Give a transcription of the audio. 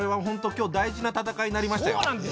今日大事な戦いになりましたよ。